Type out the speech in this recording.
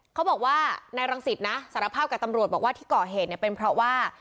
เขาบอกว่านายรังสิตนะสารภาพกับตำรวจบอกว่าที่ก่อเหตุเนี่ยเป็นเพราะว่า